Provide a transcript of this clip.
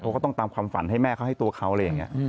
เขาก็ต้องตามความฝันให้แม่เขาให้ตัวเขาอะไรอย่างนี้